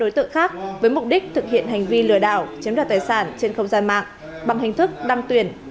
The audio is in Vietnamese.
đối tượng khác với mục đích thực hiện hành vi lừa đảo chiếm đoạt tài sản trên không gian mạng bằng hình thức đăng tuyển